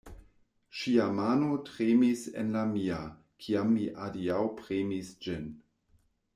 Ŝia mano tremis en la mia, kiam mi adiaŭpremis ĝin!